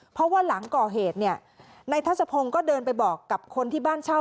เพราะว่าหลังก่อเหตุเนี่ยในทัศพงศ์ก็เดินไปบอกกับคนที่บ้านเช่า